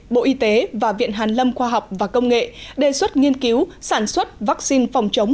bộ y tế và viện hàn lâm khoa học và công nghệ đề xuất nghiên cứu sản xuất vaccine phòng chống